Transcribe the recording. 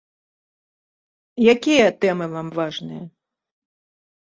Якія тэмы вам важныя?